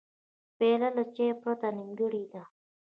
پیاله له چای پرته نیمګړې ده.